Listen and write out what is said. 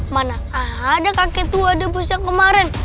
mana ada kakek tua debus yang kemarin